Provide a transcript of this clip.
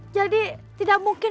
jadi tidak mungkin